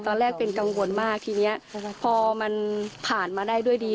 ตอนแรกเป็นกังวลมากทีนี้พอมันผ่านมาได้ด้วยดี